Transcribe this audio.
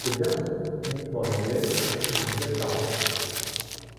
Cette version, uniquement en anglais inclus de nouvelles paroles.